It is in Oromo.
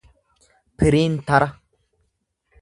piriintara